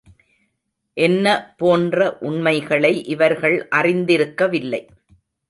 என்ன போன்ற உண்மைகளை இவர்கள் அறிந்திருக்கவில்லை.